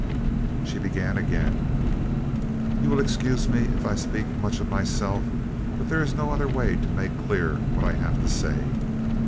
She began again: "You will excuse me if I speak much of myself, but there is no other way to make clear what I have to say."